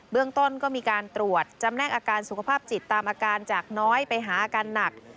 เรื่องต้นก็มีการตรวจจำแลกอาการสุขภาพจิตตามอาการจากน้อยไปหาอาการหนัก